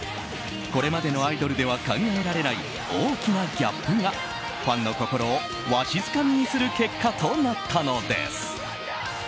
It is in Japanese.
これまでのアイドルでは考えられない大きなギャップがファンの心をわしづかみにする結果となったのです。